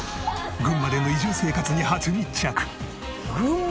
群馬での移住生活に初密着！